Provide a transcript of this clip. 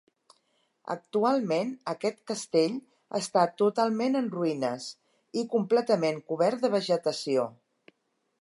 Actualment aquest castell està totalment en ruïnes i completament cobert de vegetació.